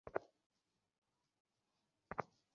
সবই মিলে গেছে।